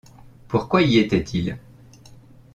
Pourquoi y était-il?